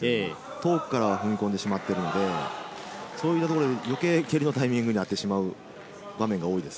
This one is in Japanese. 遠くから踏み込んでしまっているので、そういったところで蹴りのタイミングに合ってしまう場面が多いです。